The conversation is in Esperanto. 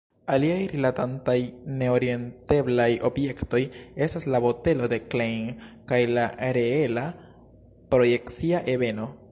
Aliaj rilatantaj ne-orienteblaj objektoj estas la botelo de Klein kaj la reela projekcia ebeno.